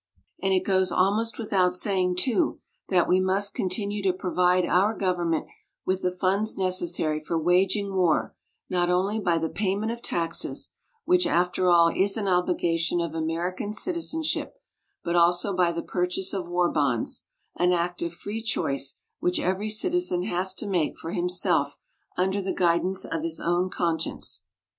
And it goes almost without saying, too, that we must continue to provide our government with the funds necessary for waging war not only by the payment of taxes which, after all, is an obligation of American citizenship but also by the purchase of war bonds an act of free choice which every citizen has to make for himself under the guidance of his own conscience.